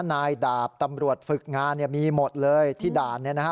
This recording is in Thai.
นายดาบตำรวจฝึกงานเนี่ยมีหมดเลยที่ด่านเนี่ยนะฮะ